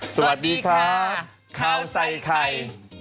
สวัสดีครับข้าวใส่ไข่